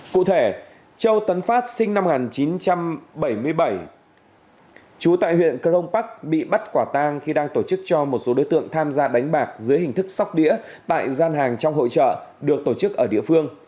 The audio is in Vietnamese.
cụ thể châu tấn phát sinh năm một nghìn chín trăm bảy mươi bảy trú tại huyện crong park bị bắt quả tang khi đang tổ chức cho một số đối tượng tham gia đánh bạc dưới hình thức sóc đĩa tại gian hàng trong hội trợ được tổ chức ở địa phương